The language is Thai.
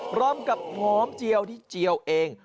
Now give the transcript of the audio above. พร้อมกับหอมเจียวที่เจียวเอง